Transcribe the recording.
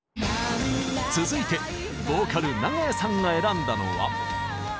続いてヴォーカル長屋さんが選んだのは。